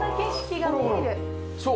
そう。